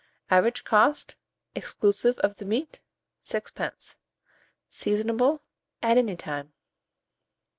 Average cost, exclusive of the meat, 6d. Seasonable at any time.